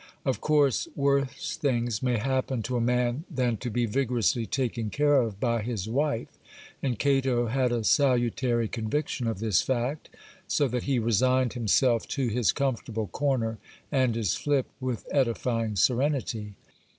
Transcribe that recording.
Of course, worse things may happen to a man than to be vigorously taken care of by his wife, and Cato had a salutary conviction of this fact, so that he resigned himself to his comfortable corner and his flip with edifying serenity.